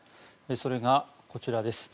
それがこちらです。